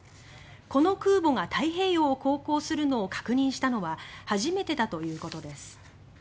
この空母が太平洋を航行するのを確認したのは初めてだということです。